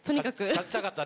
勝ちたかった。